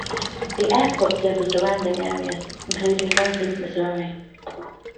The airport serves the surrounding areas including Branson, Missouri.